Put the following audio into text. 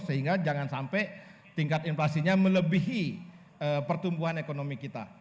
sehingga jangan sampai tingkat inflasinya melebihi pertumbuhan ekonomi kita